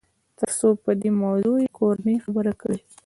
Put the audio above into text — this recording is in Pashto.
تر څو په دې موضوع يې کورنۍ خبره کړي.